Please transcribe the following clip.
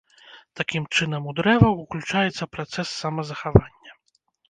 Такім чынам у дрэваў уключаецца працэс самазахавання.